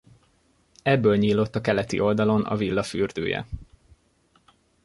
Ebből nyílott a keleti oldalon a villa fürdője.